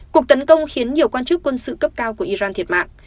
cuộc tấn công khiến nhiều quan chức quân sự cấp cao của iran thiệt mạng